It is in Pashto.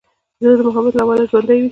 زړه د محبت له امله ژوندی وي.